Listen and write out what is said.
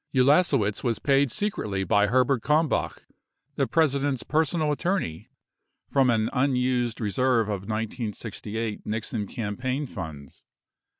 Ulasewicz was paid secretly by Herbert Kalmbach, the President's personal attorney, from an unused reserve of 1968 Nixon campaign funds.